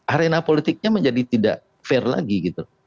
arena politiknya menjadi tidak fair lagi gitu